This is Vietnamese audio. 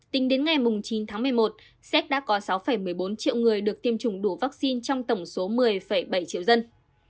tính đến ngày chín tháng một mươi một séc đã có sáu một mươi bốn triệu người được tiêm chủng đủ vaccine trong tổng số một mươi bảy triệu dân